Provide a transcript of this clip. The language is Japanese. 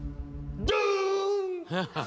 ドゥーン。